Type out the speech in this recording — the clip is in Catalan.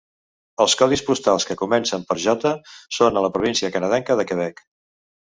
Els codis postals que comencen per J són a la província canadenca de Quebec.